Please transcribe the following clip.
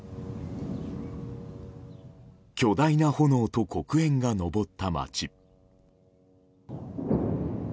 巨大な炎と黒煙が上った街。